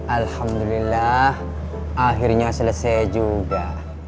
alhamdulillah akhirnya selesai juga